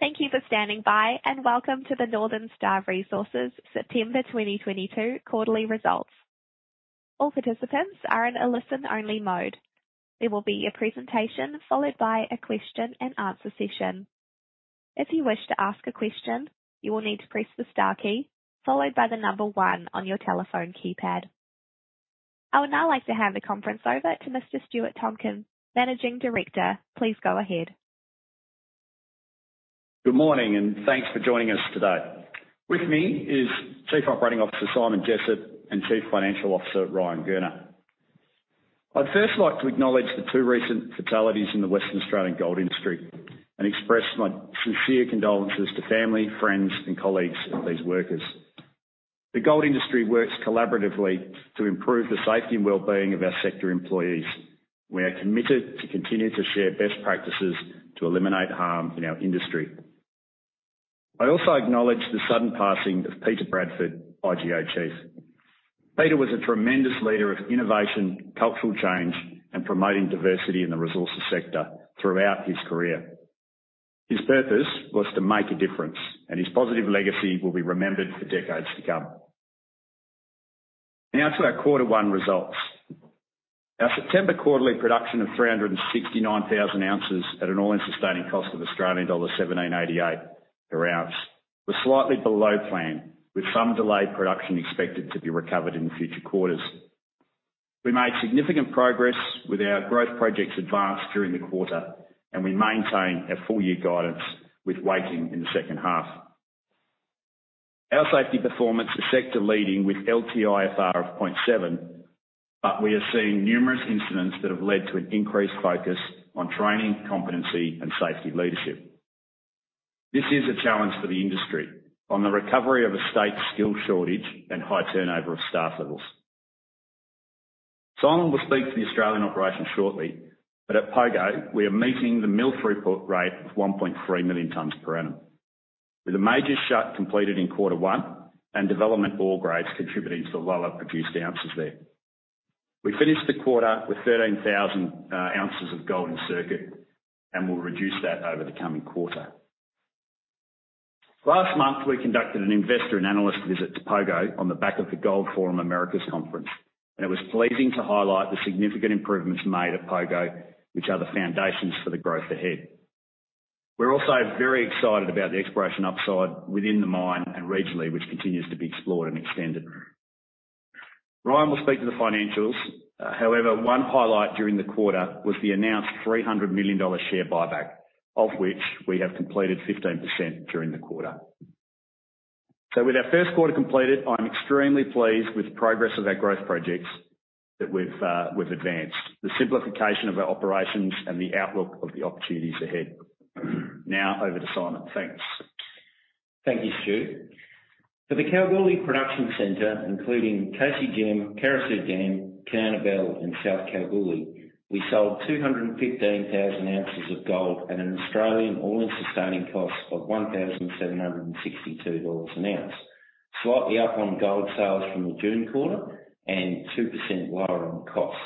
Thank you for standing by, and welcome to the Northern Star Resources September 2022 quarterly results. All participants are in a listen-only mode. There will be a presentation followed by a question and answer session. If you wish to ask a question, you will need to press the star key followed by the number one on your telephone keypad. I would now like to hand the conference over to Mr. Stuart Tonkin, Managing Director. Please go ahead. Good morning, and thanks for joining us today. With me is Chief Operating Officer Simon Jessop and Chief Financial Officer Ryan Gurner. I'd first like to acknowledge the two recent fatalities in the Western Australian gold industry and express my sincere condolences to family, friends and colleagues of these workers. The gold industry works collaboratively to improve the safety and wellbeing of our sector employees. We are committed to continue to share best practices to eliminate harm in our industry. I also acknowledge the sudden passing of Peter Bradford, IGO Chief. Peter was a tremendous leader of innovation, cultural change, and promoting diversity in the resources sector throughout his career. His purpose was to make a difference, and his positive legacy will be remembered for decades to come. Now to our quarter one results. Our September quarterly production of 369,000 ounces at an all-in sustaining cost of Australian dollar 1,788 per ounce was slightly below plan, with some delayed production expected to be recovered in future quarters. We made significant progress with our growth projects advanced during the quarter, and we maintain our full year guidance with weighting in the second half. Our safety performance is sector leading with LTIFR of 0.7, but we are seeing numerous incidents that have led to an increased focus on training, competency and safety leadership. This is a challenge for the industry on the recovery of a state skill shortage and high turnover of staff levels. Simon will speak to the Australian operation shortly, but at Pogo we are meeting the mill throughput rate of 1.3 million tonnes per annum, with a major shut completed in quarter one and development ore grades contributing to the lower produced ounces there. We finished the quarter with 13,000 ounces of gold in circuit and will reduce that over the coming quarter. Last month, we conducted an investor and analyst visit to Pogo on the back of the Gold Forum Americas conference, and it was pleasing to highlight the significant improvements made at Pogo, which are the foundations for the growth ahead. We're also very excited about the exploration upside within the mine and regionally, which continues to be explored and extended. Ryan will speak to the financials. However, one highlight during the quarter was the announced 300 million dollar share buyback, of which we have completed 15% during the quarter. With our first quarter completed, I'm extremely pleased with the progress of our growth projects that we've advanced, the simplification of our operations and the outlook of the opportunities ahead. Now over to Simon. Thanks. Thank you, Stuart. For the Kalgoorlie Production Center, including KCGM, Carosue Dam, Kanowna Belle and South Kalgoorlie, we sold 215,000 ounces of gold at an Australian all-in sustaining cost of AUD 1,762 an ounce, slightly up on gold sales from the June quarter and 2% lower on costs.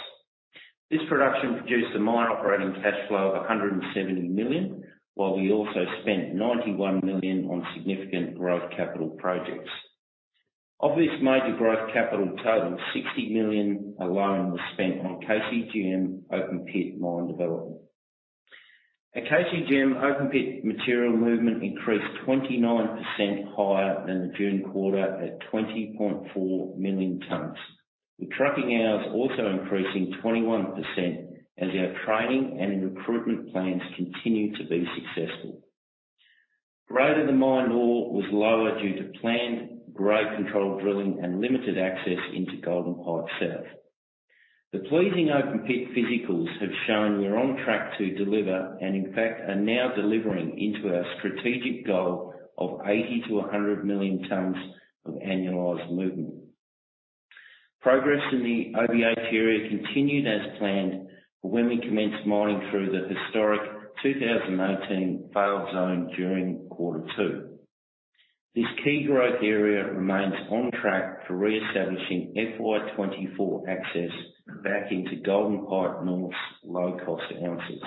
This production produced a mine operating cash flow of 170 million, while we also spent 91 million on significant growth capital projects. Of this major growth capital total, 60 million alone was spent on KCGM open pit mine development. At KCGM, open pit material movement increased 29% higher than the June quarter at 20 million tonnes, with trucking hours also increasing 21% as our training and recruitment plans continue to be successful. Grade in the mine ore was lower due to planned grade control drilling and limited access into Golden Pike South. The pleasing open pit physicals have shown we are on track to deliver and in fact are now delivering into our strategic goal of 80-100 million tonnes of annualized movement. Progress in the OBA area continued as planned when we commenced mining through the historic 2018 fill zone during quarter two. This key growth area remains on track for reestablishing FY24 access back into Golden Pike North's low cost ounces.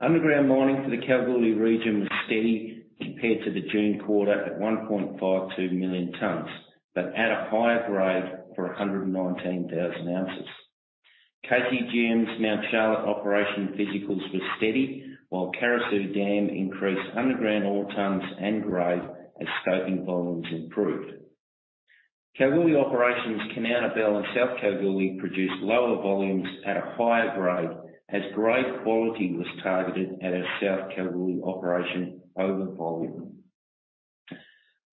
Underground mining for the Kalgoorlie region was steady compared to the June quarter at 1.52 million tonnes, but at a higher grade for 119,000 ounces. KCGM's Mount Charlotte operation physicals were steady while Carosue Dam increased underground ore tonnes and grade as stoping volumes improved. Kalgoorlie operations Kanowna Belle and South Kalgoorlie produced lower volumes at a higher grade as grade quality was targeted at our South Kalgoorlie operation over volume.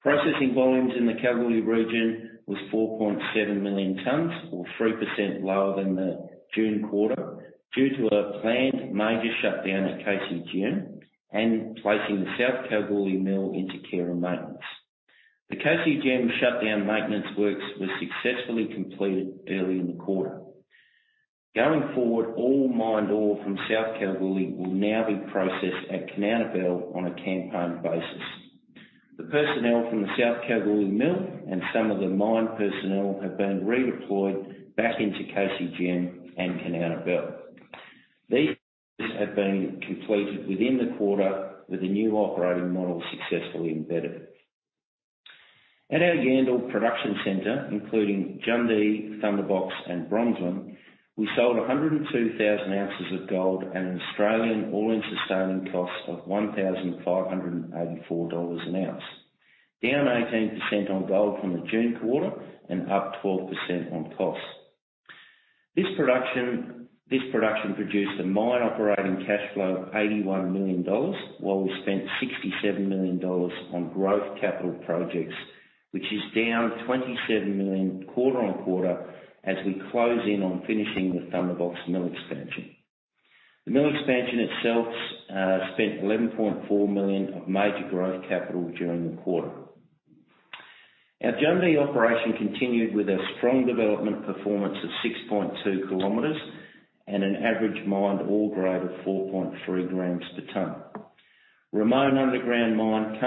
Processing volumes in the Kalgoorlie region was 4.7 million tonnes, or 3% lower than the June quarter, due to a planned major shutdown at KCGM and placing the South Kalgoorlie mill into care and maintenance. The KCGM shutdown maintenance works were successfully completed early in the quarter. Going forward, all mined ore from South Kalgoorlie will now be processed at Kanowna Belle on a campaign basis. The personnel from the South Kalgoorlie mill and some of the mine personnel have been redeployed back into KCGM and Kanowna Belle. These have been completed within the quarter with a new operating model successfully embedded. At our Yandal production center, including Jundee, Thunderbox and Bronzewing, we sold 102,000 ounces of gold at an Australian all-in sustaining cost of 1,584 dollars an ounce, down 18% on gold from the June quarter and up 12% on cost. This production produced a mine operating cash flow of 81 million dollars, while we spent 67 million dollars on growth capital projects, which is down 27 million quarter-on-quarter as we close in on finishing the Thunderbox mill expansion. The mill expansion itself spent 11.4 million of major growth capital during the quarter. Our Jundee operation continued with a strong development performance of 6.2 kilometers and an average mined ore grade of 4.3 grams per ton. Ramone underground mine,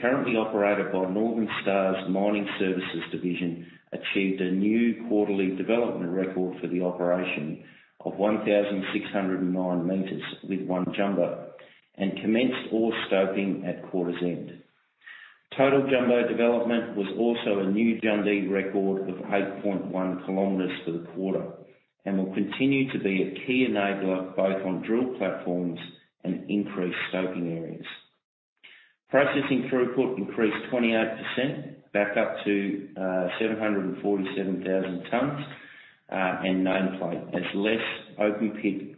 currently operated by Northern Star Mining Services, achieved a new quarterly development record for the operation of 1,609 meters with one jumbo, and commenced ore stoping at quarter's end. Total jumbo development was also a new Jundee record of 8.1 kilometers for the quarter. And will continue to be a key enabler both on drill platforms and increased stoping areas. Processing throughput increased 28% back up to 747,000 tons, and nameplate as less open pit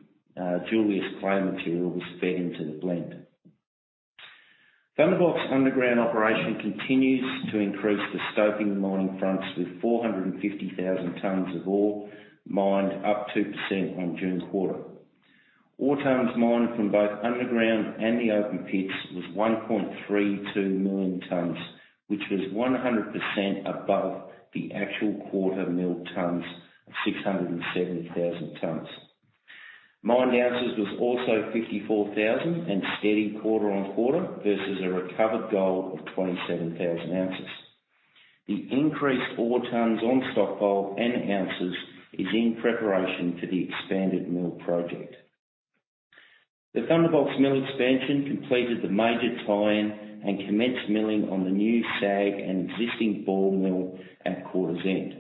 Jundee clay material was fed into the blend. Thunderbox underground operation continues to increase the stoping mining fronts with 450,000 tons of ore mined up 2% on June quarter. Ore tons mined from both underground and the open pits was 1.32 million tons, which was 100% above the actual quarter milled tons of 670,000 tons. Mined ounces was also 54,000 and steady quarter-on-quarter versus a recovered gold of 27,000 ounces. The increased ore tons on stockpile and ounces is in preparation for the expanded mill project. The Thunderbox mill expansion completed the major tie-in and commenced milling on the new SAG and existing ball mill at quarter's end.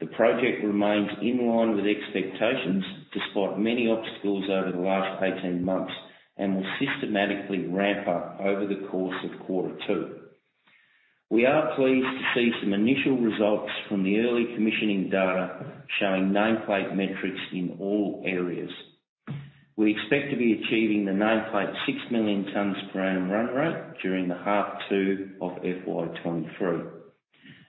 The project remains in line with expectations, despite many obstacles over the last 18 months, and will systematically ramp up over the course of quarter two. We are pleased to see some initial results from the early commissioning data showing nameplate metrics in all areas. We expect to be achieving the nameplate six million tons per annum run rate during H2 of FY23.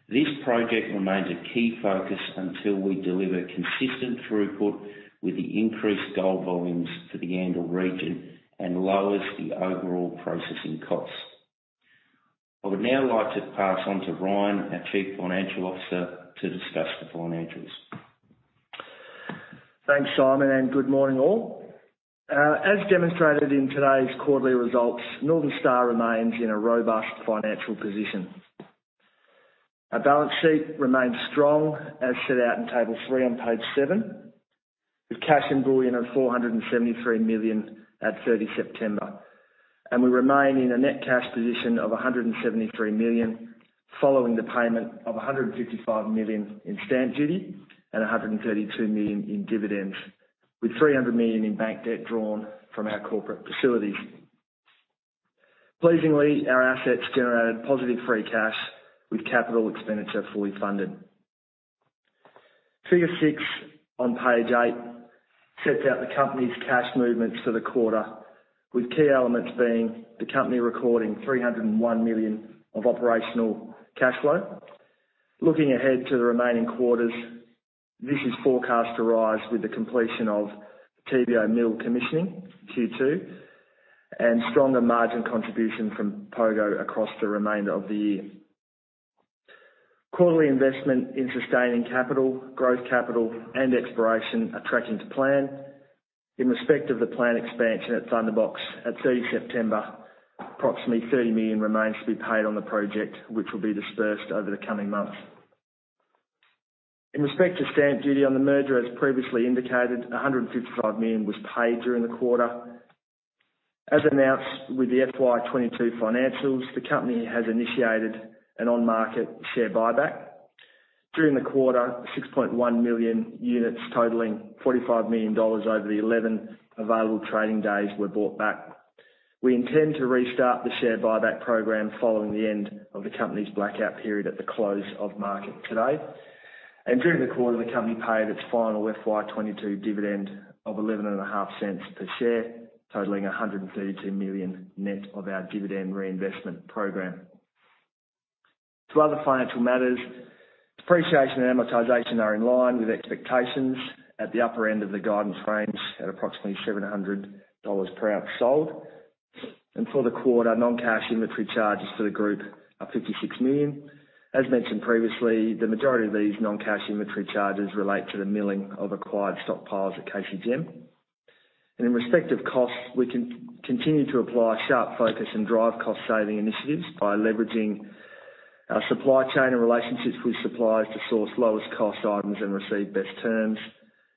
This project remains a key focus until we deliver consistent throughput with the increased gold volumes to the Yandal region and lowers the overall processing costs. I would now like to pass on to Ryan, our Chief Financial Officer, to discuss the financials. Thanks, Simon, and good morning all. As demonstrated in today's quarterly results, Northern Star remains in a robust financial position. Our balance sheet remains strong as set out in Table three on page seven, with cash and bullion of 473 million at 30 September. We remain in a net cash position of 173 million following the payment of 155 million in stamp duty and 132 million in dividends. With 300 million in bank debt drawn from our corporate facilities. Pleasingly, our assets generated positive free cash with capital expenditure fully funded. Figure six on page eight sets out the company's cash movements for the quarter, with key elements being the company recording 301 million of operational cash flow. Looking ahead to the remaining quarters, this is forecast to rise with the completion of TBO mill commissioning, Q2, and stronger margin contribution from Pogo across the remainder of the year. Quarterly investment in sustaining capital, growth capital, and exploration are tracking to plan. In respect of the plant expansion at Thunderbox, at 30 September, approximately 30 million remains to be paid on the project, which will be disbursed over the coming months. In respect of stamp duty on the merger, as previously indicated, 155 million was paid during the quarter. As announced with the FY22 financials, the company has initiated an on-market share buyback. During the quarter, 6.1 million units totaling 45 million dollars over the 11 available trading days were bought back. We intend to restart the share buyback program following the end of the company's blackout period at the close of market today. During the quarter, the company paid its final FY22 dividend of 0.115 per share, totaling 132 million net of our dividend reinvestment program. To other financial matters, depreciation and amortization are in line with expectations at the upper end of the guidance range at approximately $700 per ounce sold. For the quarter, non-cash inventory charges to the group are 56 million. As mentioned previously, the majority of these non-cash inventory charges relate to the milling of acquired stockpiles at KCGM. In respect of costs, we continue to apply sharp focus and drive cost-saving initiatives by leveraging our supply chain and relationships with suppliers to source lowest cost items and receive best terms.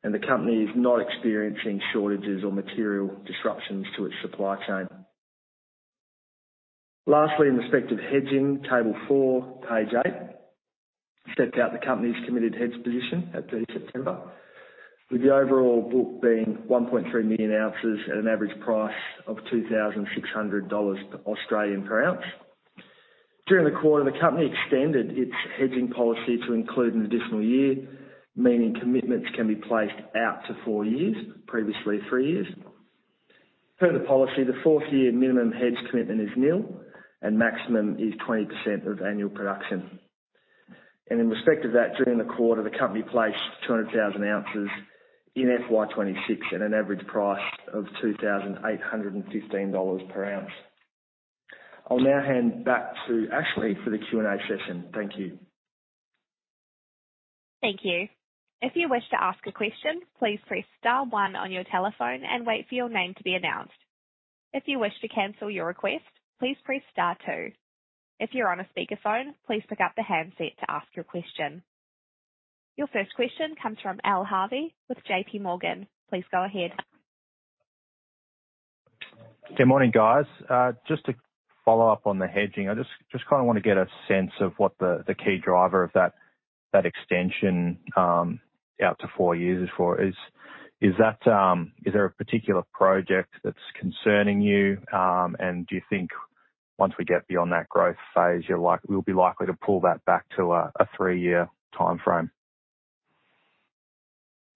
The company is not experiencing shortages or material disruptions to its supply chain. Lastly, in respect of hedging, table four, page eight, sets out the company's committed hedge position at 30 September. With the overall book being 1.3 million ounces at an average price of 2,600 Australian dollars per ounce. During the quarter, the company extended its hedging policy to include an additional year, meaning commitments can be placed out to four years, previously three years. Per the policy, the fourth year minimum hedge commitment is nil and maximum is 20% of annual production. In respect of that, during the quarter, the company placed 200,000 ounces in FY26 at an average price of $2,815 per ounce. I'll now hand back to Ashley for the Q&A session. Thank you. Thank you. If you wish to ask a question, please press star one on your telephone and wait for your name to be announced. If you wish to cancel your request, please press star two. If you're on a speakerphone, please pick up the handset to ask your question. Your first question comes from Al Harvey with J.P. Morgan. Please go ahead. Good morning, guys. Just to follow up on the hedging, I just kinda wanna get a sense of what the key driver of that extension out to four years is for. Is there a particular project that's concerning you? Do you think once we get beyond that growth phase, you're like you'll be likely to pull that back to a three-year timeframe?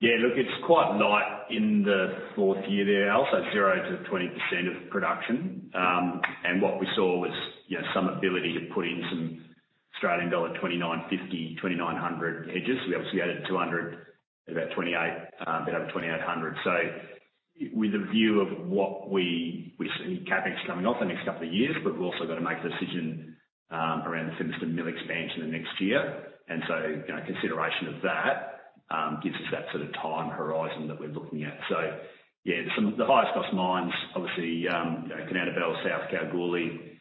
Yeah, look, it's quite light in the fourth year there, Al, so 0%-20% of production. And what we saw was, you know, some ability to put in some Australian dollar 2,950, 2,900 hedges. We obviously added 200, about 2,800, a bit over 2,800. With a view of what we see CapEx coming off the next couple of years. But we've also got to make the decision around the Fimiston mill expansion the next year. You know, consideration of that gives us that sort of time horizon that we're looking at. Yeah, some of the highest cost mines, obviously, you know, Kanowna Belle, South Kalgoorlie,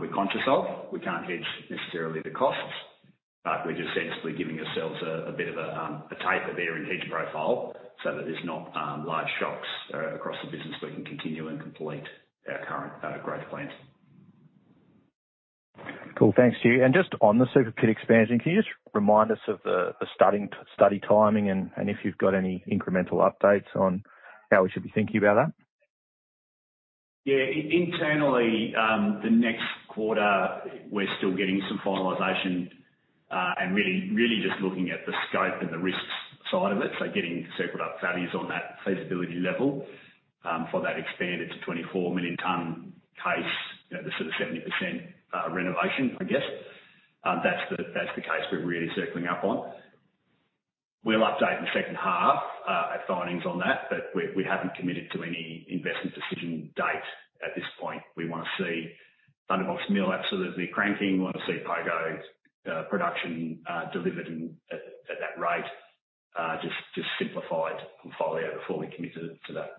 we're conscious of. We can't hedge necessarily the costs, but we're just sensibly giving ourselves a bit of a taper there in hedge profile so that there's not large shocks across the business. We can continue and complete our current growth plans. Cool. Thanks Stuart. Just on the Super Pit expansion, can you just remind us of the study timing and if you've got any incremental updates on how we should be thinking about that? Internally, the next quarter, we're still getting some finalization, and really just looking at the scope and the risks side of it. Getting circled up values on that feasibility level, for that expanded to 24 million ton case, you know, the sort of 70% renovation, I guess, that's the case we're really circling up on. We'll update in the second half our findings on that, but we haven't committed to any investment decision date at this point. We wanna see Thunderbox mill absolutely cranking. We wanna see Pogo's production delivered and at that rate, just simplified portfolio before we commit to that.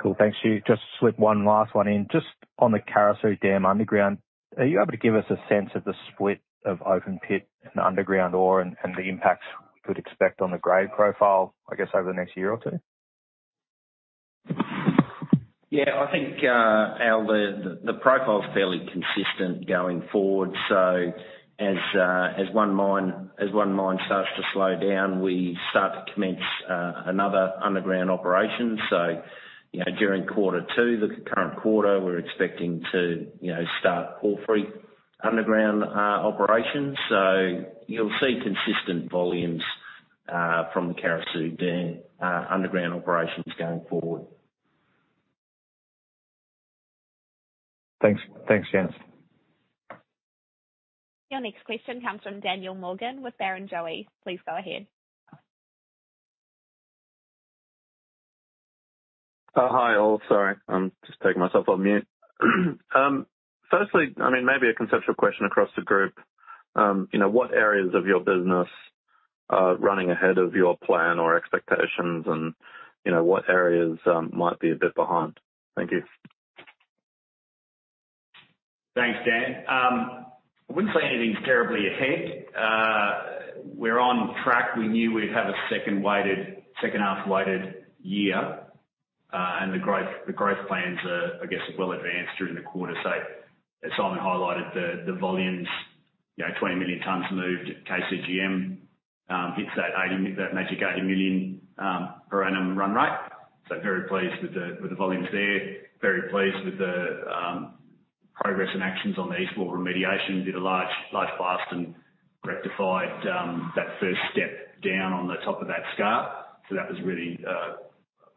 Cool. Thanks Stuart. Just slip one last one in. Just on the Carosue Dam underground, are you able to give us a sense of the split of open pit and underground ore and the impacts we could expect on the grade profile, I guess, over the next year or two? Yeah, I think Al, the profile is fairly consistent going forward. As one mine starts to slow down, we start to commence another underground operation. You know, during quarter two, the current quarter, we're expecting to you know start Porphyry underground operations. You'll see consistent volumes from the Carosue Dam underground operations going forward. Thanks. Thanks, gents. Your next question comes from Daniel Morgan with Barrenjoey. Please go ahead. Hi, all. Sorry, I'm just taking myself off mute. Firstly, I mean, maybe a conceptual question across the group. You know, what areas of your business are running ahead of your plan or expectations? You know, what areas might be a bit behind? Thank you. Thanks, Dan. I wouldn't say anything's terribly ahead. We're on track. We knew we'd have a second half-weighted year, and the growth plans are, I guess, well advanced during the quarter. As Simon highlighted, the volumes, you know, 20 million tons moved at KCGM, hits that magic 80 million per annum run rate. Very pleased with the volumes there. Very pleased with the progress and actions on the east wall remediation. Did a large lift fast and rectified that first step down on the top of that scarp. That was really, I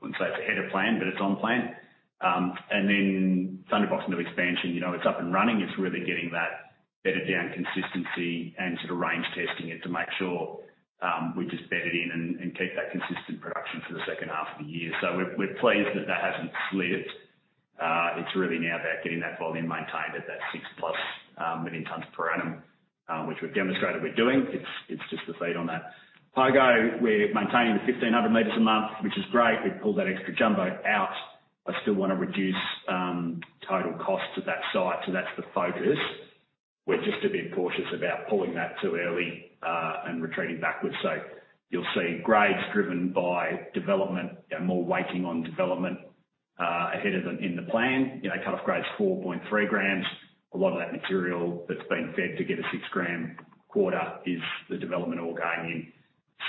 wouldn't say it's ahead of plan, but it's on plan. And then Thunderbox mill expansion, you know, it's up and running. It's really getting that better down consistency and sort of range testing it to make sure we're just bedded in and keep that consistent production for the second half of the year. We're pleased that hasn't slipped. It's really now about getting that volume maintained at that six plus million tons per annum, which we've demonstrated we're doing. It's just the feed on that. Pogo, we're maintaining the 1,500 meters a month, which is great. We pulled that extra jumbo out. I still wanna reduce total cost to that site, so that's the focus. We're just a bit cautious about pulling that too early and retreating backwards. You'll see grades driven by development and more waiting on development ahead of the plan. You know, cut-off grade's 4.3 grams. A lot of that material that's been fed to get a six-gram quarter is the development ore going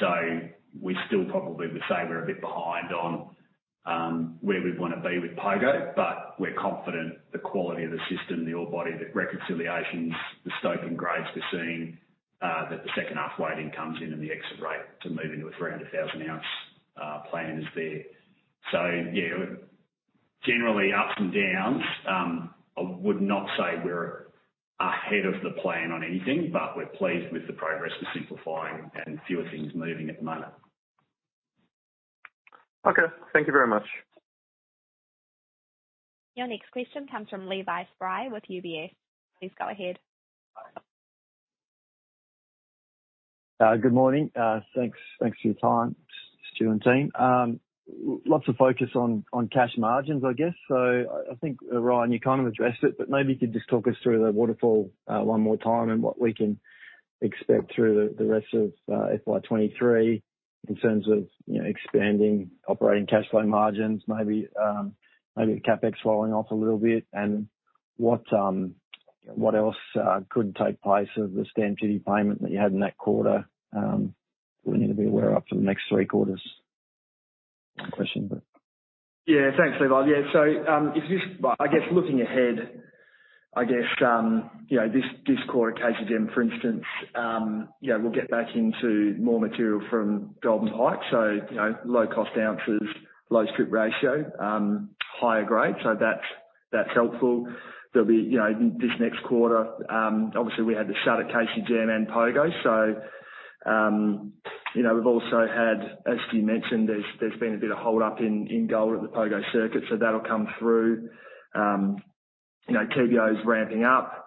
in. We still probably would say we're a bit behind on where we'd wanna be with Pogo, but we're confident the quality of the system, the ore body, the reconciliations, the stope and grades we're seeing that the second half weighting comes in and the exit rate to move into a 300,000 ounce plan is there. Yeah, generally ups and downs. I would not say we're ahead of the plan on anything, but we're pleased with the progress we're simplifying and fewer things moving at the moment. Okay. Thank you very much. Your next question comes from Levi Spry with UBS. Please go ahead. Good morning. Thanks for your time, Stuart and team. Lots of focus on cash margins, I guess. I think Ryan, you kind of addressed it, but maybe you could just talk us through the waterfall one more time and what we can expect through the rest of FY23 in terms of, you know, expanding operating cash flow margins, maybe the CapEx falling off a little bit and what else could in place of the stamp duty payment that you had in that quarter, we need to be aware of for the next three quarters. One question, but. Yeah, thanks, Levi. Yeah. Looking ahead, I guess, you know, this quarter at KCGM, for instance, yeah, we'll get back into more material from Golden Pike. Low cost ounces, low strip ratio, higher grade. That's helpful. There'll be, you know, this next quarter, obviously we had the start at KCGM and Pogo. You know, we've also had, as Stuart mentioned, there's been a bit of gold held up in the Pogo circuit, so that'll come through. TBO is ramping up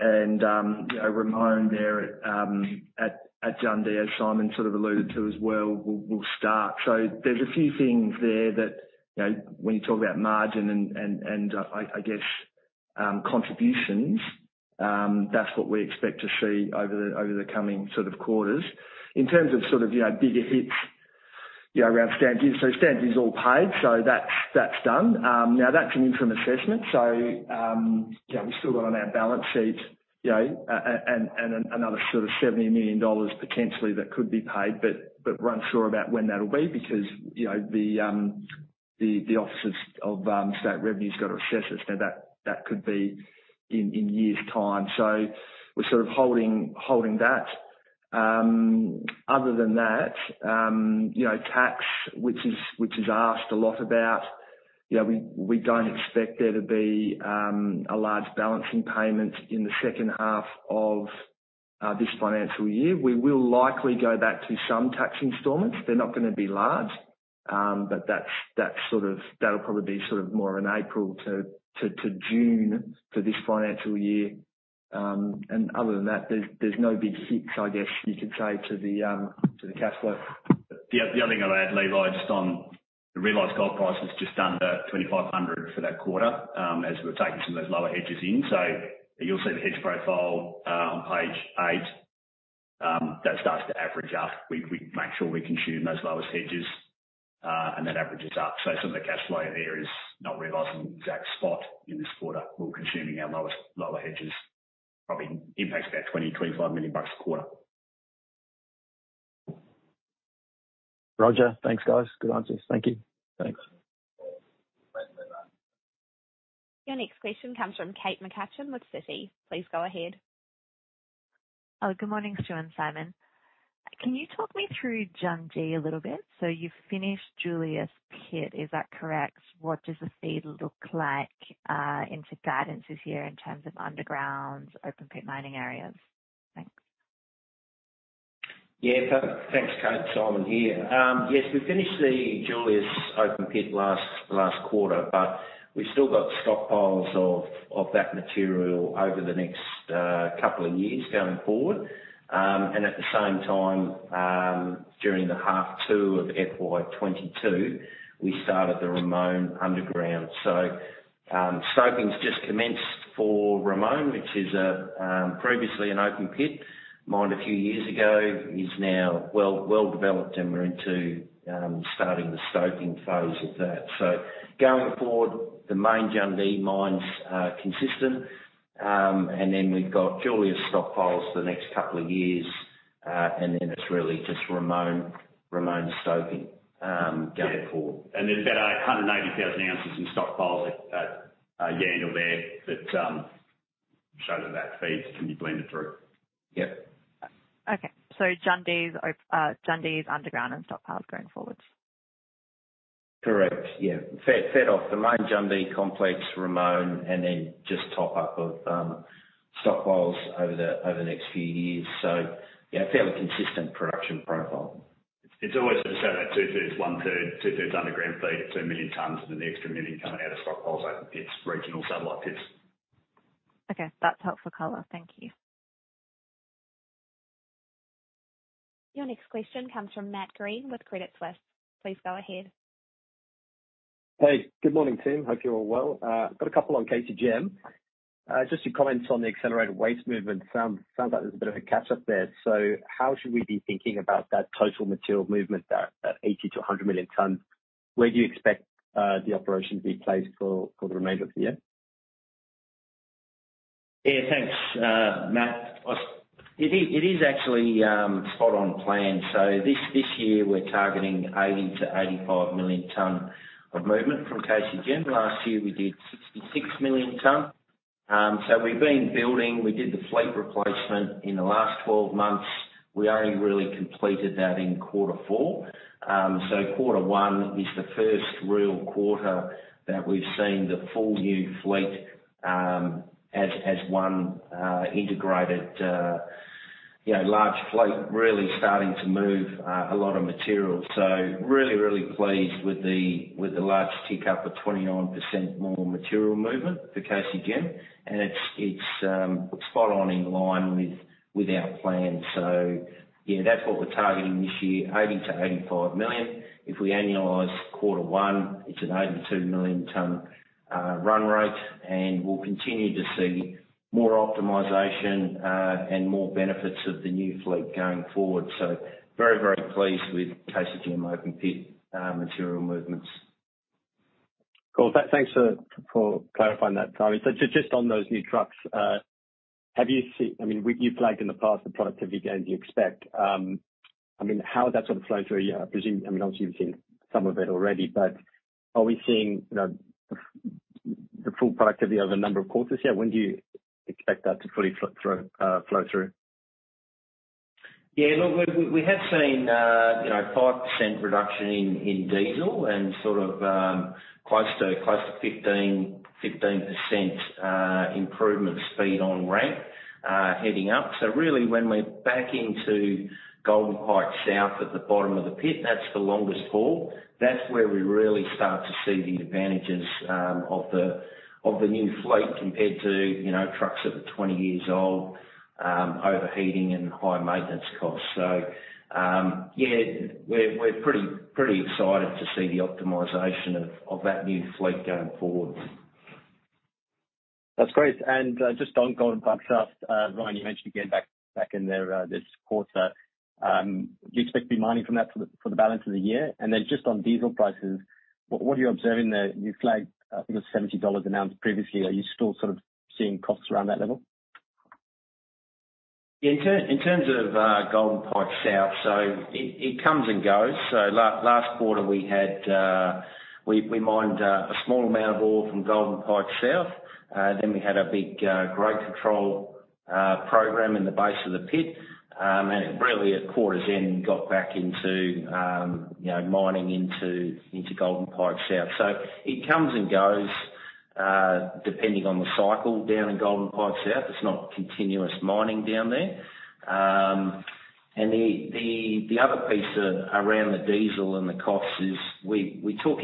and, you know, Ramone there at Jundee, as Simon sort of alluded to as well, will start. There's a few things there that, you know, when you talk about margin and I guess contributions, that's what we expect to see over the coming sort of quarters. In terms of sort of, you know, bigger hits, you know, around stamp duty. Stamp duty's all paid, so that's done. Now that's an interim assessment, so you know, we've still got on our balance sheet, you know, and another sort of 70 million dollars potentially that could be paid, but we're unsure about when that'll be because, you know, the Office of State Revenue's got to assess it. Now, that could be in years' time. We're sort of holding that. Other than that, you know, tax, which is asked a lot about, you know, we don't expect there to be a large balancing payment in the second half of this financial year. We will likely go back to some tax installments. They're not gonna be large, but that's sort of, that'll probably be sort of more in April to June for this financial year. Other than that, there's no big hits, I guess you could say to the cash flow. The other thing I'd add, Levi, just on the realized gold price was just under 2,500 for that quarter, as we've taken some of those lower hedges in. You'll see the hedge profile on page eight that starts to average up. We make sure we consume those lowest hedges and that averages up. Some of the cash flow there is not realizing exact spot in this quarter. We're consuming our lower hedges, probably impacts about 20 million-25 million bucks a quarter. Roger. Thanks, guys. Good answers. Thank you. Thanks. Thanks, Levi. Your next question comes from Kate McCutcheon with Citi. Please go ahead. Good morning, Stuart and Simon. Can you talk me through Jundee a little bit? You've finished Julius pit, is that correct? What does the feed look like into guidances here in terms of underground open pit mining areas? Thanks. Yeah, thanks, Kate. Simon here. Yes, we finished the Julius open pit last quarter, but we've still got stockpiles of that material over the next couple of years going forward. At the same time, during the H2 of FY22, we started the Ramone underground. Stoping's just commenced for Ramone, which is previously an open pit, mined a few years ago. It's now well-developed, and we're into starting the stoping phase of that. Going forward, the main Jundee mines are consistent, and then we've got Julius stockpiles for the next couple of years, and it's really just Ramone stoping going forward. There's about 180,000 ounces in stockpiles at Yandal there that show that feeds and you blend it through. Yep. Jundee's underground and stockpiles going forward. Correct. Yeah. Fed off the main Jundee complex, Ramone, and then just top up of stockpiles over the next few years. Yeah, fairly consistent production profile. It's always just how that two-thirds, one-third. Two-thirds underground fleet, two million tons, and then the extra one million coming out of stockpile, so it's regional satellite pits. Okay, that's helpful color. Thank you. Your next question comes from Matthew Greene with Credit Suisse. Please go ahead. Hey, good morning, team. Hope you're all well. Got a couple on KCGM. Just your comments on the accelerated waste movement. Sounds like there's a bit of a catch-up there. How should we be thinking about that total material movement there at 80-100 million tons? Where do you expect the operation to be placed for the remainder of the year? Yeah, thanks, Matt. It is actually spot on plan. This year we're targeting 80-85 million tonnes of movement from KCGM. Last year we did 66 million tonnes. We've been building. We did the fleet replacement in the last 12 months. We only really completed that in quarter four. Quarter one is the first real quarter that we've seen the full new fleet as one, you know, large fleet really starting to move a lot of material. Really pleased with the large tick up of 29% more material movement for KCGM. It's spot on in line with our plan. Yeah, that's what we're targeting this year, 80-85 million. If we annualize quarter one, it's an 82 million ton run rate, and we'll continue to see more optimization, and more benefits of the new fleet going forward. Very, very pleased with KCGM open pit material movements. Cool. Thanks for clarifying that, Simon Jessop. Just on those new trucks, have you seen? I mean, you flagged in the past the productivity gains you expect. I mean, how is that sort of flowing through a year? I presume, I mean, obviously you've seen some of it already, but are we seeing, you know, the full productivity over a number of quarters yet? When do you expect that to fully flow through? Yeah, look, we have seen, you know, 5% reduction in diesel and sort of close to 15% improvement in speed on ramp heading up. Really when we're back into Golden Pike South at the bottom of the pit, that's the longest haul. That's where we really start to see the advantages of the new fleet compared to, you know, trucks that were 20 years old, overheating and high maintenance costs. We're pretty excited to see the optimization of that new fleet going forward. That's great. Just on Golden Pike South, Ryan, you mentioned again back in there this quarter. Do you expect to be mining from that for the balance of the year? Then just on diesel prices, what are you observing there? You flagged, I think it was $70 an ounce previously. Are you still sort of seeing costs around that level? In terms of Golden Pike South, it comes and goes. Last quarter we mined a small amount of ore from Golden Pike South. We had a big grade control program in the base of the pit. Really at quarter's end we got back into mining into Golden Pike South. It comes and goes depending on the cycle down in Golden Pike South. It's not continuous mining down there. The other piece around the diesel and the costs is we took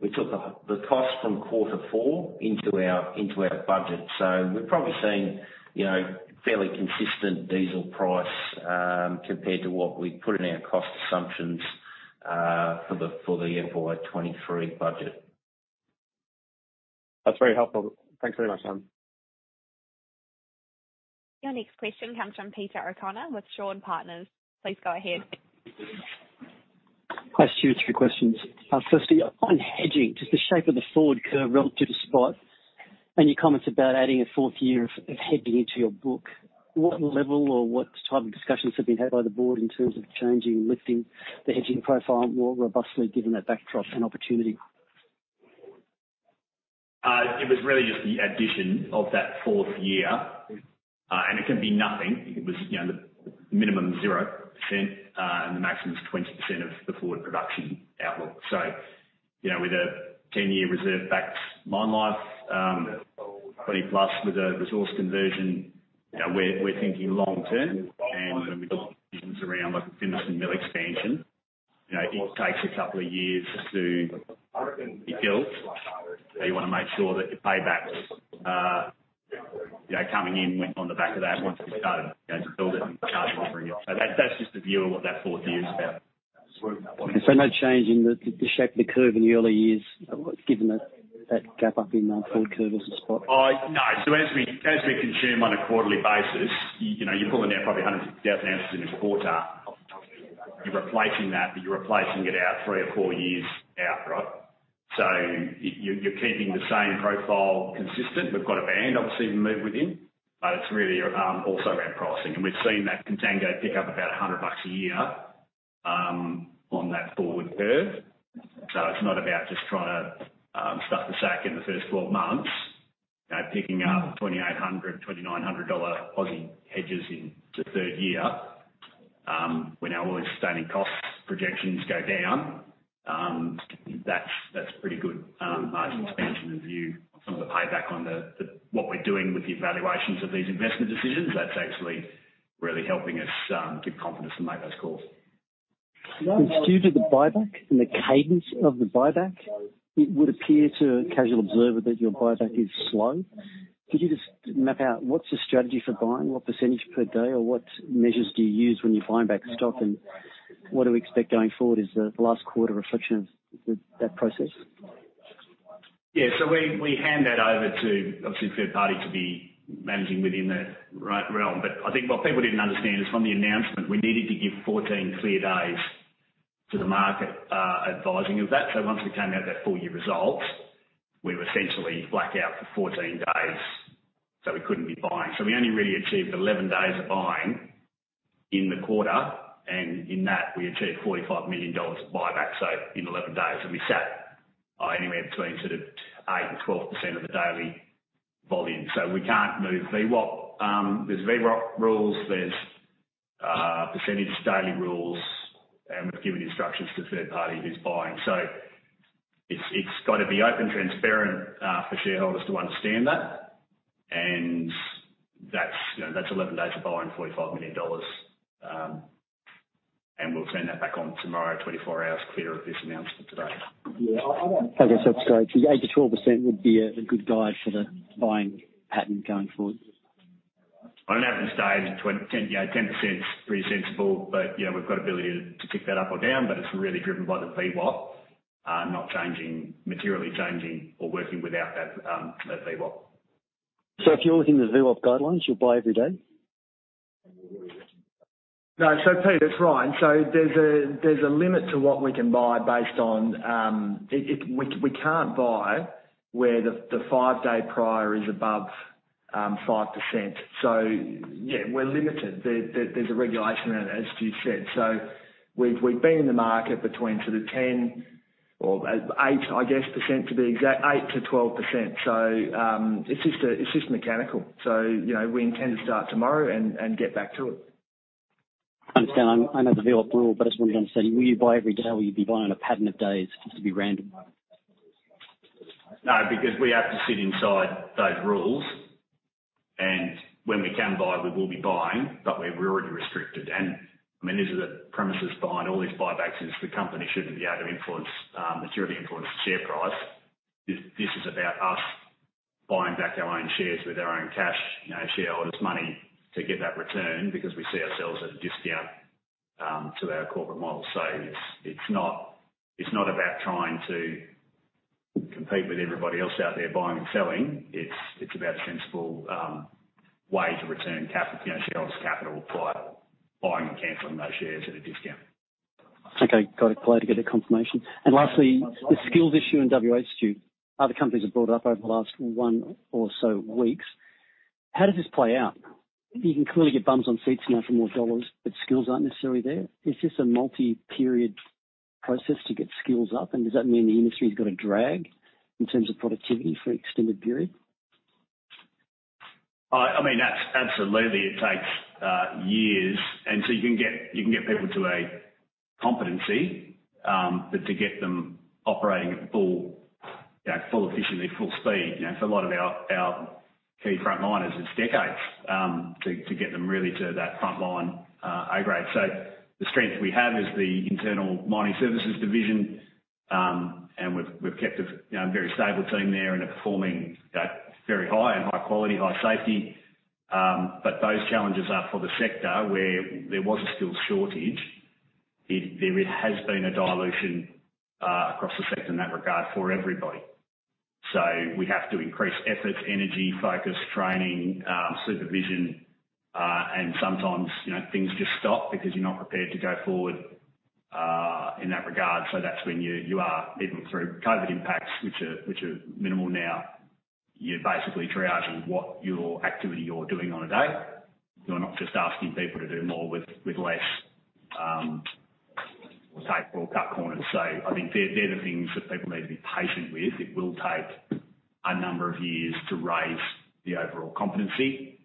the cost from quarter four into our budget. We've probably seen, you know, fairly consistent diesel price compared to what we put in our cost assumptions for the FY23 budget. That's very helpful. Thanks very much. Your next question comes from Peter O'Connor with Shaw and Partners. Please go ahead. Hi, Stuart. Three questions. Firstly, on hedging, just the shape of the forward curve relative to spot and your comments about adding a fourth year of hedging into your book. What level or what type of discussions have been had by the board in terms of changing, lifting the hedging profile more robustly given that backdrop and opportunity? It was really just the addition of that fourth year. It can be nothing. It was, you know, the minimum 0%, and the maximum is 20% of the forward production outlook. You know, with a 10-year reserve backed mine life, 20+ with a resource conversion, you know, we're thinking long term. When we look at decisions around like the Fimiston mill expansion, you know, it takes a couple of years to be built. You wanna make sure that your paybacks are, you know, coming in on the back of that once it's done and to build it and charge it every year. That's just the view of what that fourth year is about. No change in the shape of the curve in the early years, given that gap up in the forward curve above spot? No. As we consume on a quarterly basis, you know, you're pulling down probably 100,000 ounces in a quarter. You're replacing that, but you're replacing it out 3 or 4 years out, right? You're keeping the same profile consistent. We've got a band obviously to move within, but it's really around pricing also. We've seen that contango pick up about 100 bucks a year on that forward curve. It's not about just trying to stuff the sack in the first 12 months. You know, picking up 2,800, 2,900 dollar Aussie hedges in the third year when our all-in sustaining costs projections go down. That's pretty good, margin expansion and view on some of the payback on what we're doing with the evaluations of these investment decisions. That's actually really helping us give confidence to make those calls. Stu, to the buyback and the cadence of the buyback, it would appear to a casual observer that your buyback is slow. Could you just map out what's the strategy for buying, what percentage per day, or what measures do you use when you buy back stock, and what do we expect going forward? Is the last quarter a reflection of that process? Yeah. We hand that over to obviously a third party to be managing within that realm. I think what people didn't understand is from the announcement, we needed to give 14 clear days to the market, advising of that. Once we came out with that full-year results, we were essentially blackout for 14 days, so we couldn't be buying. We only really achieved 11 days of buying in the quarter. In that, we achieved 45 million dollars of buyback, so in 11 days. We sat anywhere between sort of 8%-12% of the daily volume. We can't move VWAP. There's VWAP rules, there's percentage daily rules, and we've given instructions to the third party who's buying. It's gotta be open, transparent for shareholders to understand that. That's, you know, that's 11 days of buying 45 million dollars. We'll turn that back on tomorrow, 24 hours clear of this announcement today. Yeah. I Okay. The 8%-12% would be a good guide for the buying pattern going forward. I don't know at this stage. 10-20%, you know, 10%'s pretty sensible, but, you know, we've got ability to tick that up or down, but it's really driven by the VWAP not materially changing or working without that VWAP. If you're looking to VWAP guidelines, you'll buy every day? No, Pete, that's right. There's a limit to what we can buy based on it. We can't buy where the five-day VWAP is above 5%. Yeah, we're limited. There's a regulation around it, as Stuart said. We've been in the market between sort of 10 or eight, I guess, percent to be exact, 8%-12%. It's just mechanical. You know, we intend to start tomorrow and get back to it. I understand. I know the VWAP rule, but I just wanted to understand, will you buy every day or will you be buying on a pattern of days, just to be random? No, because we have to sit inside those rules, and when we can buy, we will be buying, but we're already restricted. I mean, these are the premises behind all these buybacks is the company shouldn't be able to influence materially influence the share price. This is about us buying back our own shares with our own cash, you know, shareholders' money to get that return because we see ourselves at a discount to our corporate model. It's not about trying to compete with everybody else out there buying and selling. It's about a sensible way to return capital, you know, shareholders' capital by buying and canceling those shares at a discount. Okay. Got it. Glad to get a confirmation. Lastly, the skills issue in WA, Stuart. Other companies have brought it up over the last one or so weeks. How does this play out? You can clearly get bums on seats now for more dollars, but skills aren't necessarily there. Is this a multi-period process to get skills up? Does that mean the industry's got a drag in terms of productivity for an extended period? I mean, absolutely. It takes years. You can get people to a competency, but to get them operating at full, you know, full efficiency, full speed. You know, for a lot of our key frontliners, it's decades to get them really to that frontline A-grade. The strength we have is the internal mining services division. We've kept a very stable team there and are performing at very high and high quality, high safety. Those challenges are for the sector where there was a skills shortage. There has been a dilution across the sector in that regard for everybody. We have to increase efforts, energy, focus, training, supervision, and sometimes, you know, things just stop because you're not prepared to go forward in that regard. That's when you are even through COVID impacts, which are minimal now. You're basically triaging what your activity you're doing on a day. You're not just asking people to do more with less or cut corners. I think they're the things that people need to be patient with. It will take a number of years to raise the overall competency.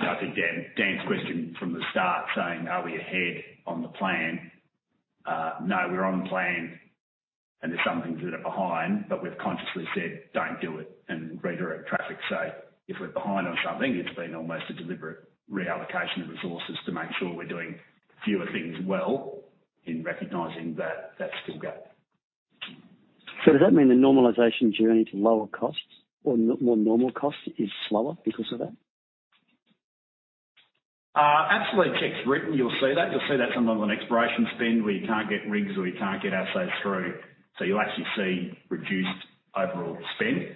I think Dan's question from the start saying, "Are we ahead on the plan?" No, we're on the plan, and there's some things that are behind, but we've consciously said, "Don't do it," and redirect traffic. If we're behind on something, it's been almost a deliberate reallocation of resources to make sure we're doing fewer things well in recognizing that skill gap. Does that mean the normalization journey to lower costs or more normal costs is slower because of that? Absolutely. It's written. You'll see that. You'll see that some of them on exploration spend, where you can't get rigs or you can't get assays through. You'll actually see reduced overall spend.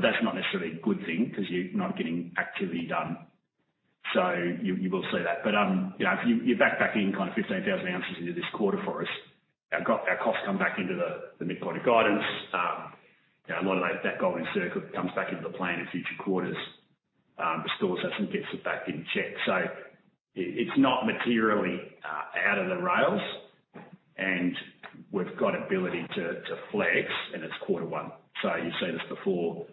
That's not necessarily a good thing because you're not getting activity done. You will see that. You know, if you back into kind of 15,000 ounces into this quarter for us, our costs come back into the midpoint of guidance. You know, a lot of that gold in circuit comes back into the plan in future quarters, restores us and gets it back in check. It's not materially off the rails, and we've got ability to flex, and it's quarter one. You've seen this before.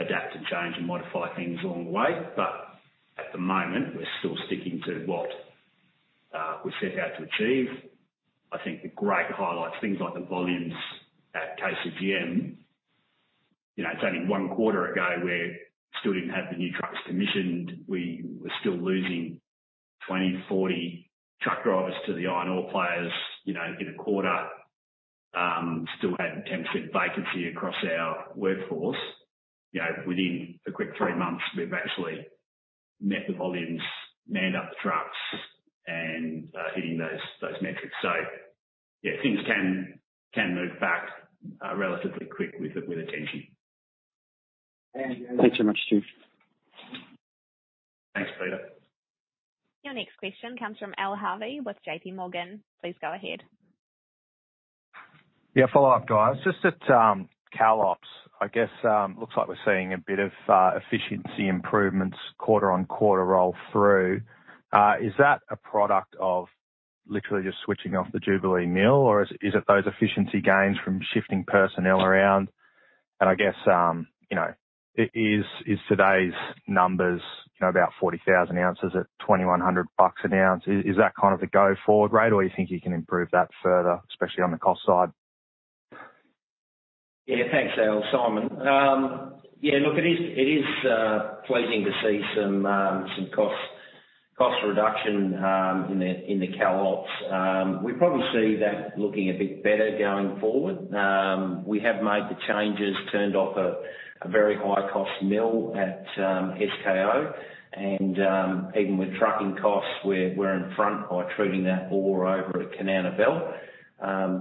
Adapt to change and modify things along the way, but at the moment, we're still sticking to what we set out to achieve. I think the great highlights, things like the volumes at KCGM. You know, it's only one quarter ago, we still didn't have the new trucks commissioned. We were still losing 20, 40 truck drivers to the iron ore players, you know, in a quarter. Still had 10% vacancy across our workforce. You know, within a quick 3 months, we've actually met the volumes, manned up the trucks and hitting those metrics. Yeah, things can move back relatively quick with attention. Thanks so much, Steve. Thanks, Peter. Your next question comes from Al Harvey with J.P. Morgan. Please go ahead. Yeah, follow-up, guys. Just at KalOps, I guess, looks like we're seeing a bit of efficiency improvements quarter on quarter roll through. Is that a product of literally just switching off the Jubilee mill, or is it those efficiency gains from shifting personnel around? I guess, you know, is today's numbers, you know, about 40,000 ounces at 2,100 bucks an ounce, is that kind of the go forward rate, or you think you can improve that further, especially on the cost side? Yeah, thanks, Al. Simon. Yeah, look, it is pleasing to see some cost reduction in the Kalgoorlie Ops. We probably see that looking a bit better going forward. We have made the changes, turned off a very high-cost mill at SKO and even with trucking costs, we're in front by treating that ore over at Kanowna Belle.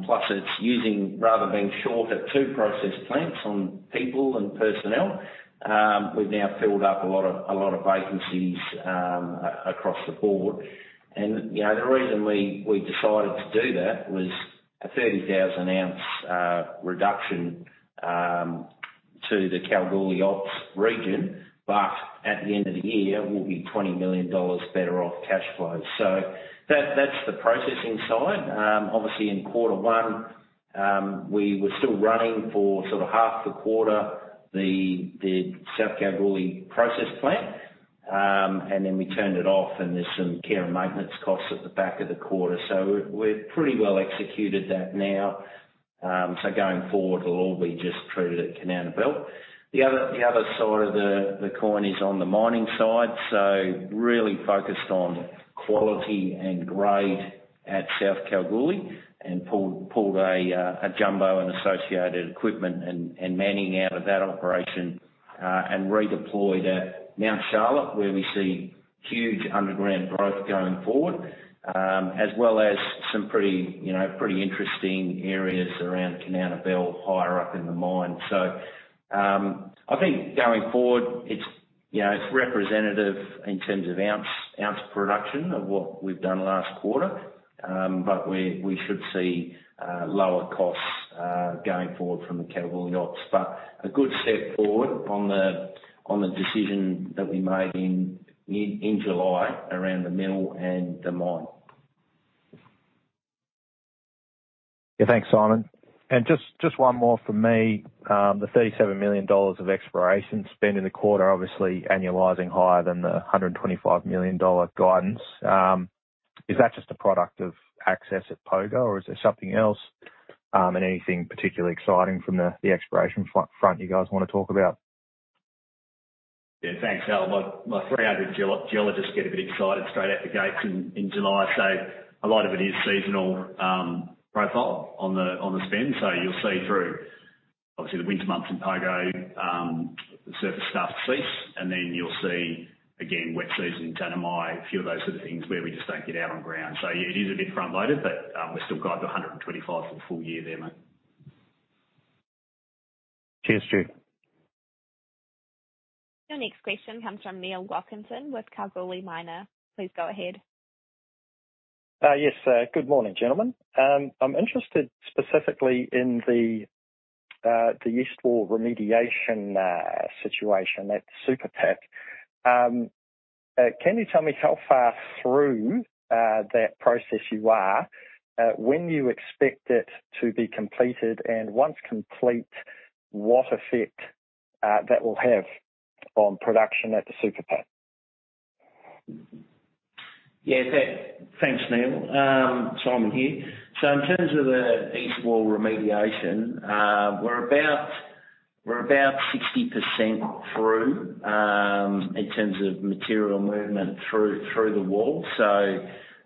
Plus it's using rather than being short at two process plants on people and personnel. We've now filled up a lot of vacancies across the board. You know, the reason we decided to do that was a 30,000-ounce reduction to the Kalgoorlie Ops region, but at the end of the year, we'll be 20 million dollars better off cash flow. That's the processing side. Obviously in quarter one, we were still running for sort of half the quarter, the South Kalgoorlie processing plant. We turned it off, and there's some care and maintenance costs at the back of the quarter. We're pretty well executed that now. Going forward, it'll all be just treated at Kanowna Belle. The other side of the coin is on the mining side, so really focused on quality and grade at South Kalgoorlie and pulled a jumbo and associated equipment and manning out of that operation, and redeployed at Mount Charlotte, where we see huge underground growth going forward. As well as some pretty, you know, pretty interesting areas around Kanowna Belle higher up in the mine. I think going forward, it's, you know, it's representative in terms of ounce production of what we've done last quarter. We should see lower costs going forward from the Kalgoorlie Ops. A good step forward on the decision that we made in July around the mill and the mine. Yeah. Thanks, Simon. Just one more from me. The 37 million dollars of exploration spent in the quarter, obviously annualizing higher than the 125 million dollar guidance. Is that just a product of access at Pogo or is there something else, and anything particularly exciting from the exploration front you guys wanna talk about? Yeah, thanks, Al. My 300 geologists get a bit excited straight out the gates in July. A lot of it is seasonal profile on the spend. You'll see through obviously the winter months in Pogo the surface stuff cease. You'll see again wet season in Tanami, a few of those sort of things where we just don't get out on ground. It is a bit front loaded, but we've still got the 125 for the full year there, mate. Cheers, Steve. Your next question comes from Neil Wilkinson with Kalgoorlie Miner. Please go ahead. Yes. Good morning, gentlemen. I'm interested specifically in the East Wall remediation situation at Super Pit. Can you tell me how far through that process you are, when you expect it to be completed and once complete, what effect that will have on production at the Super Pit? Yeah. Thanks, Neil. Simon here. In terms of the east wall remediation, we're about 60% through in terms of material movement through the wall.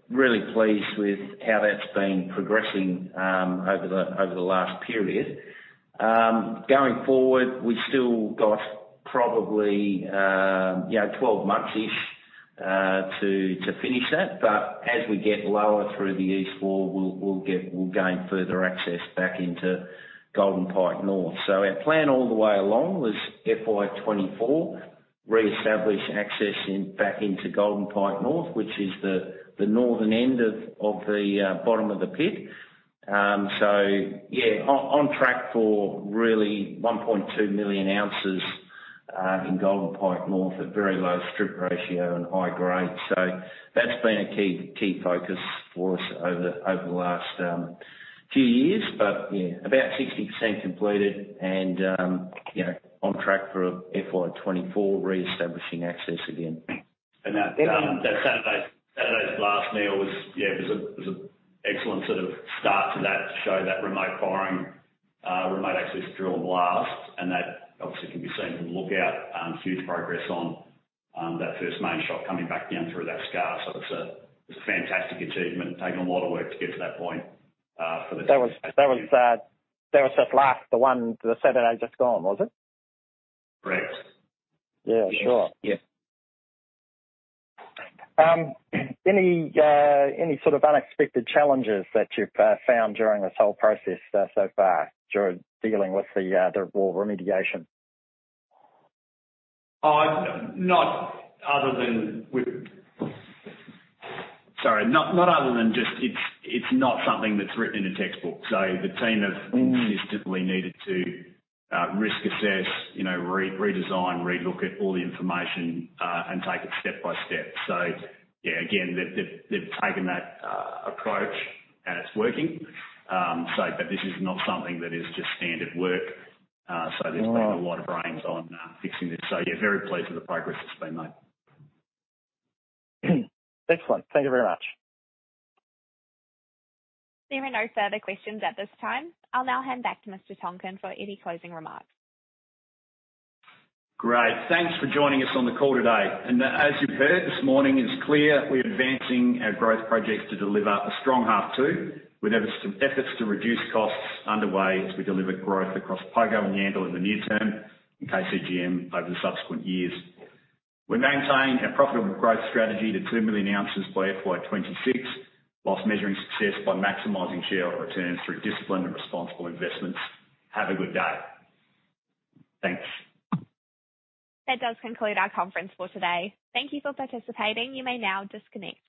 Really pleased with how that's been progressing over the last period. Going forward, we've still got probably you know 12 months-ish to finish that. But as we get lower through the east wall, we'll gain further access back into Golden Pike North. Our plan all the way along was FY24 reestablish access back into Golden Pike North, which is the northern end of the bottom of the pit. Yeah, on track for really 1.2 million ounces in Golden Pike North at very low strip ratio and high grade. That's been a key focus for us over the last few years. Yeah, about 60% completed and, you know, on track for FY24 reestablishing access again. That Saturday's blast meal was an excellent sort of start to show that remote boring, remote access drill and blast, and that obviously can be seen from the lookout, huge progress on that first main shot coming back down through that stope. It's a fantastic achievement. Taken a lot of work to get to that point for the team. That was the Saturday just gone, was it? Correct. Yeah, sure. Yeah. Any sort of unexpected challenges that you've found during this whole process so far during dealing with the ore remediation? It's not something that's written in a textbook. The team have consistently needed to risk assess, you know, re-redesign, re-look at all the information and take it step by step. Yeah, again, they've taken that approach and it's working. This is not something that is just standard work. There's been. Right. A lot of brains on fixing this. Yeah, very pleased with the progress that's been made. Excellent. Thank you very much. There are no further questions at this time. I'll now hand back to Mr. Tonkin for any closing remarks. Great. Thanks for joining us on the call today. As you've heard this morning, it's clear we're advancing our growth projects to deliver a strong half two. We have some efforts to reduce costs underway as we deliver growth across Pogo and Yandal in the near term and KCGM over the subsequent years. We're maintaining our profitable growth strategy to two million ounces by FY26, while measuring success by maximizing shareholder returns through disciplined and responsible investments. Have a good day. Thanks. That does conclude our conference for today. Thank you for participating. You may now disconnect.